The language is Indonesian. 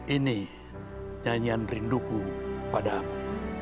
ini nyanyian rinduku padamu